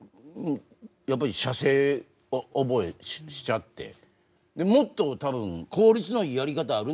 やっぱり射精を覚えしちゃってもっと多分効率のいいやり方あるんだろうなと。